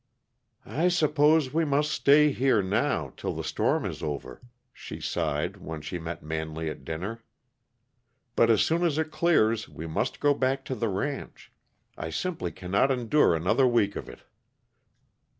"I suppose we must stay here, now, till the storm is over," she sighed, when she met Manley at dinner. "But as soon as it clears we must go back to the ranch. I simply cannot endure another week of it."